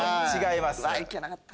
いけなかった。